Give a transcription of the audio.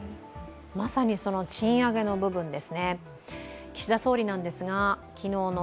まさに賃上げの部分です。